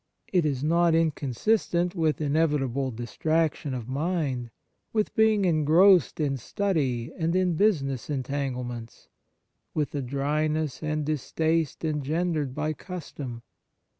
It is not inconsistent with inevitable distrac tion of mind, with being engrossed in study and in business entanglements, with the dryness and distaste en gendered by custom.